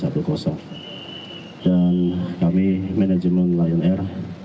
dan kami manajemen lion air